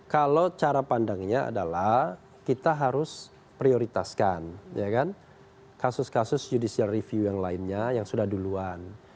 kalau cara pandangnya adalah kita harus prioritaskan kasus kasus judicial review yang lainnya yang sudah duluan